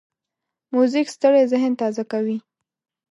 موزیک ستړی ذهن تازه کوي.